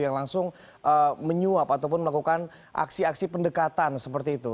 yang langsung menyuap ataupun melakukan aksi aksi pendekatan seperti itu